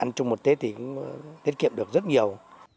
ăn trồng một tết thì tiết kiệm được rất nhiều